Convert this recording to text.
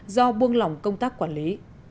do buông lỏng công tác quản lý